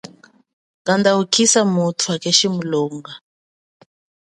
Kanda ukisa muthu hakeshi mulonga.